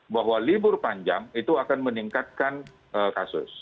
bahwa libur panjang itu akan meningkatkan kasus